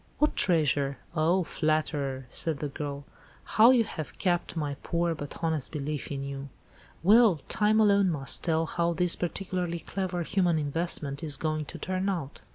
"What treasure? Oh, flatterer!" said the girl; "how you have capped my poor but honest belief in you. Well, time alone must tell how this particularly clever human investment is going to turn out.